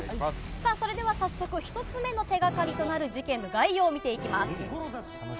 さあ、それでは早速、１つ目の手がかりとなる事件の概要を見ていきます。